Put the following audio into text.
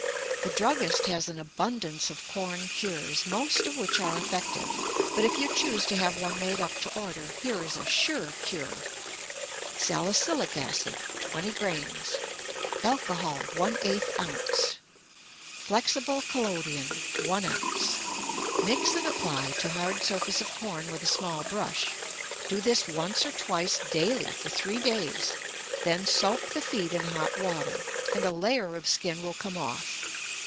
The druggist has an abundance of corn cures, most of which are effective, but if you choose to have one made up to order, here is a sure cure: Salicylic acid, twenty grains; alcohol, one eighth ounce; flexible collodion, one ounce. Mix and apply to hard surface of corn with a small brush. Do this once or twice daily for three days, then soak the feet in hot water, and a layer of skin will come off.